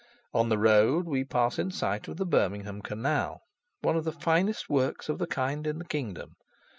On the road we pass in sight of the Birmingham canal, one of the finest works of the kind in the kingdom.